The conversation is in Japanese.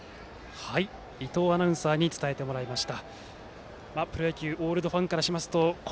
伊藤アナウンサーに伝えていただきました。